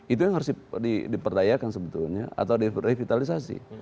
itu yang harus diperdayakan sebetulnya atau direvitalisasi